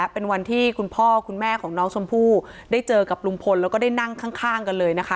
เป็นวันที่คุณพ่อคุณแม่ของน้องชมพู่ได้เจอกับลุงพลแล้วก็ได้นั่งข้างกันเลยนะคะ